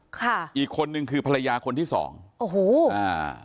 ค่ะอีกคนนึงคือภรรยาคนที่สองโอ้โหอ่า